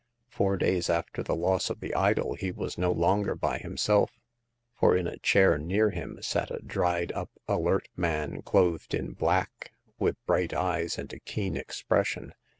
Four days after the loss of the idol, he was no longer by himself, for in a chair near him sat a dried up, alert man, clothed in black, with bright eyes and a keen expression.